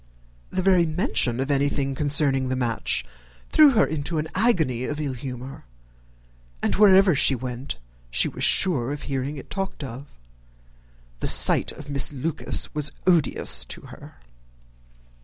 The very mention of anything concerning the match threw her into an agony of ill humour, and wherever she went she was sure of hearing it talked of. The sight of Miss Lucas was odious to her.